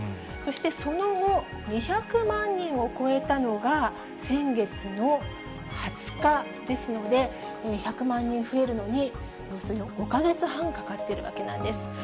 そしてその後、２００万人を超えたのが、先月の２０日ですので、１００万人増えるのに、およそ５か月半かかってるわけなんです。